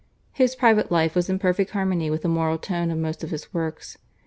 His private life was in perfect harmony with the moral tone of most of his works.